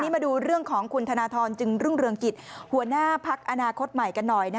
มาดูเรื่องของคุณธนทรจึงรุ่งเรืองกิจหัวหน้าพักอนาคตใหม่กันหน่อย